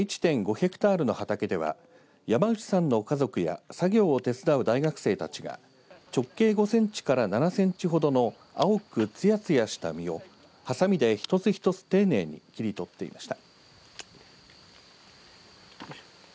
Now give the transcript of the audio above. ヘクタールの畑では山内さんの家族や作業を手伝う大学生たちが直径５センチから７センチほどの青くつやつやした実をはさみで一つ一つ丁寧に切り取っていました。